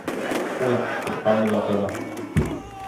Уй, ҡурҡам мин атайҙан!